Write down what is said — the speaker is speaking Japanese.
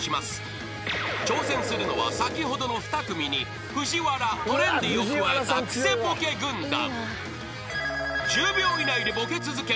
［挑戦するのは先ほどの２組にＦＵＪＩＷＡＲＡトレンディを加えたクセボケ軍団］